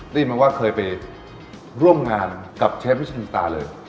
ได้ยินไหมว่าเคยไปร่วมงานกับเชฟวิชนินตาเลย